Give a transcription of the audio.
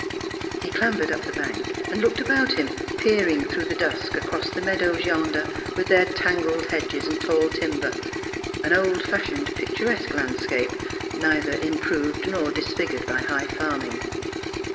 He clambered up the bank, and looked about him, peering through the dusk, across the meadows yonder, with their tangled hedges and tall timber — an old fashioned picturesque landscape, neither improved nor disfigured by high farming.